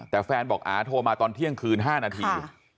แต่แฟนบอกอาโทรมาตอนเที่ยงคืน๕นาที